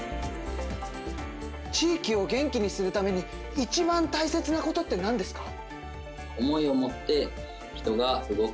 地域を元気にするために、いちばん大切なことって何ですか？